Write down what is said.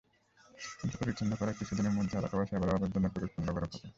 কিন্তু পরিচ্ছন্ন করার কিছুদিনের মধ্যে এলাকাবাসী আবার আবর্জনায় পরিপূর্ণ করে ফেলে।